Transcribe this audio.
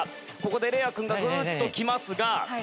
ここで嶺亜君がグーッと来ますが。